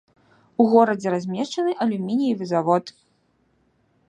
У горадзе размешчаны алюмініевы завод.